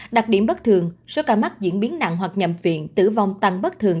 đặc điểm bất thường số ca mắc diễn biến nặng hoặc nhầm phiện tử vong tăng bất thường